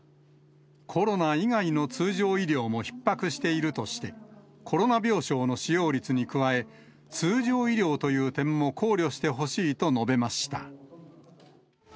コロナ以外の通常医療もひっ迫しているとして、コロナ病床の使用率に加え、通常医療という点も考慮してほしいと述べました。